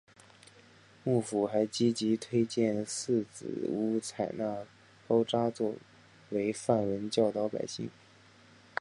幕府还积极推荐寺子屋采纳高札作为范文教导百姓。